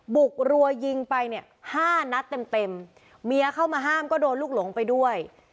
กรัวยิงไปเนี่ยห้านัดเต็มเต็มเมียเข้ามาห้ามก็โดนลูกหลงไปด้วย